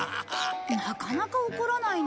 なかなか怒らないね。